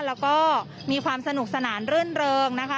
แล้วก็มีความสนุกสนานรื่นเริงนะคะ